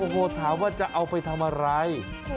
โอ้โหถามว่าจะเอาไปทำอะไร